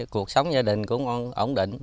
cuộc sống gia đình cũng ổn định